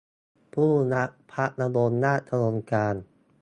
ผู้รับพระบรมราชโองการ